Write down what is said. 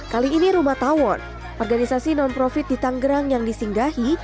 kali ini rumah tawon organisasi non profit di tanggerang yang disinggahi